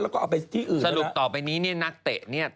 สรุปต่อไปนี้นี่นักเตะเนี่ย